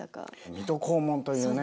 「水戸黄門」というね